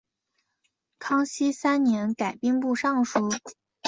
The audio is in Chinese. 康熙三年改兵部尚书。